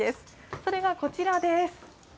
それがこちらです。